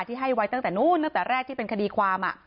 ที่ให้ไว้ตั้งแต่นู้นตั้งแต่แรกที่เป็นคดีความ